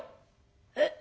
「えっ？